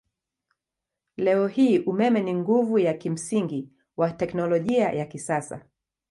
Leo hii umeme ni nguvu ya kimsingi wa teknolojia ya kisasa.